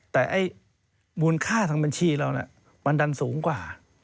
แต่ไอ้มูลค่าทางบัญชีเรามันดันสูงกว่า